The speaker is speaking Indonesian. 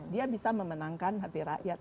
dia bisa memenangkan hati rakyat